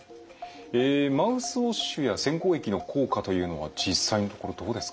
えマウスウォッシュや洗口液の効果というのは実際にこれどうですか？